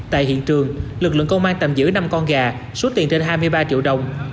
tại hiện trường lực lượng công an tạm giữ năm con gà số tiền trên hai mươi ba triệu đồng